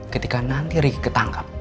ketika nanti riki ketangkap